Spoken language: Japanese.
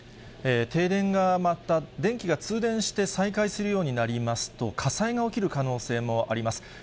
停電がまた、電気が通電して、再開するようになりますと、火災が起きる可能性もあります。